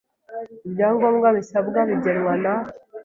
Ibya ngombwa bisabwa bigenwa na